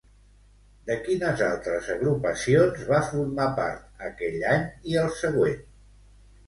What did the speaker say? De quines altres agrupacions va formar part aquell any i el següent?